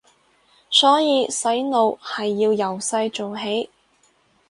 所以洗腦係要由細做起